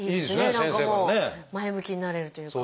何かもう前向きになれるというか。